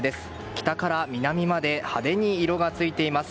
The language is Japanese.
北から南まで派手に色がついています。